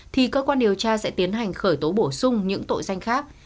thì cơ quan điều tra sẽ tiến hành khởi tố bổ sung những tội danh khác